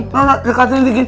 nona dekatin dikit